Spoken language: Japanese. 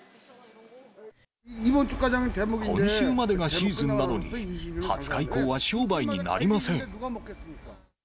今週までがシーズンなのに、２０日以降は商売になりません。